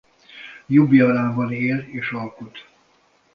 Ljubljanában él és alkot.